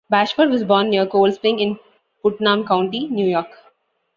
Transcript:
Bashford was born near Cold Spring in Putnam County, New York.